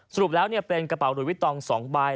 สรุปแล้วเป็นกระเป๋าหลุยวิตตอง๒ใบ